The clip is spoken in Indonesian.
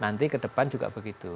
nanti ke depan juga begitu